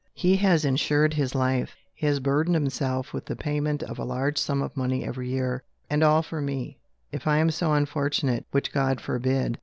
"He has insured his life: he has burdened himself with the payment of a large sum of money every year. And all for me, if I am so unfortunate (which God forbid!)